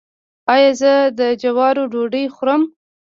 ایا زه د جوارو ډوډۍ وخورم؟